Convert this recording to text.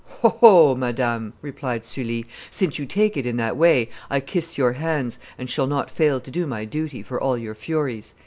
"Ho! ho! madame," replied Sully, "since you take it in that way, I kiss your hands, and shall not fail to do my duty for all your furies."